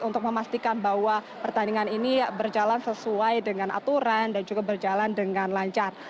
untuk memastikan bahwa pertandingan ini berjalan sesuai dengan aturan dan juga berjalan dengan lancar